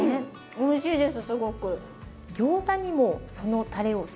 おいしいです！